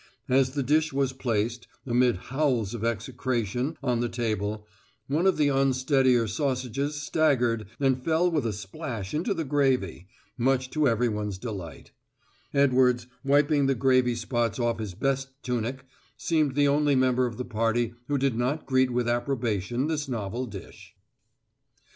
As the dish was placed, amid howls of execration, on the table, one of the unsteadier sausages staggered and fell with a splash into the gravy, much to everyone's delight; Edwards, wiping the gravy spots off his best tunic, seemed the only member of the party who did not greet with approbation this novel dish.